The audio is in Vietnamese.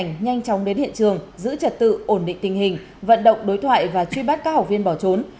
nhanh chóng đến hiện trường giữ trật tự ổn định tình hình vận động đối thoại và truy bắt các học viên bỏ trốn